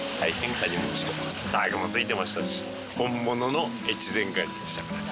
タグもついてましたし本物の越前ガニでしたから。